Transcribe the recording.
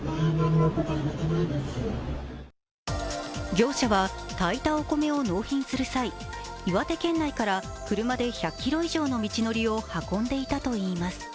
業者は炊いたお米を納品する際、岩手県内から車で１００ｋｍ以上の道のりを運んでいたといいます。